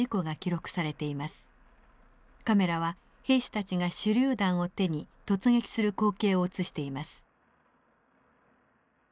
カメラは兵士たちが手榴弾を手に突撃する光景を映しています。